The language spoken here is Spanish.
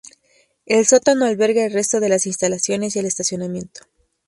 El sótano alberga el resto de las instalaciones y el estacionamiento.